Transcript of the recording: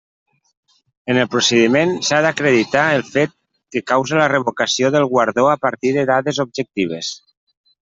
En el procediment s'ha d'acreditar el fet que causa la revocació del Guardó a partir de dades objectives.